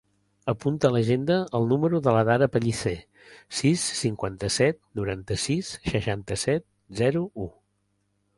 Apunta a l'agenda el número de la Dara Pellicer: sis, cinquanta-set, noranta-sis, seixanta-set, zero, u.